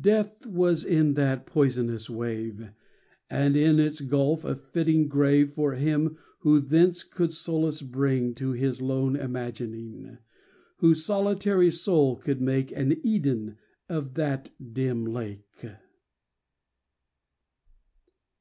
Death was in that poisonous wave, And in its gulf a fitting grave For him who thence could solace bring To his lone imagining— Whose solitary soul could make An Eden of that dim lake.